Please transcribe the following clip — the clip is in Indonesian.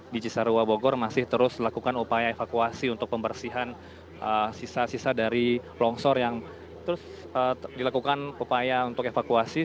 di cisarua bogor masih terus lakukan upaya evakuasi untuk pembersihan sisa sisa dari longsor yang terus dilakukan upaya untuk evakuasi